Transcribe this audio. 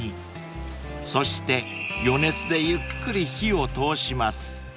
［そして余熱でゆっくり火を通します］